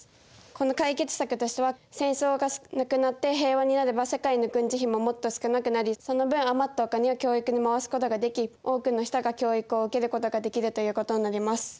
この解決策としては戦争がなくなって平和になれば世界の軍事費ももっと少なくなりその分余ったお金は教育に回すことができ多くの人が教育を受けることができるということになります。